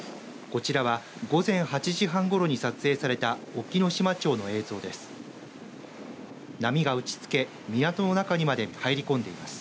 こちらは午前８時半ごろに撮影された隠岐の島町の映像です。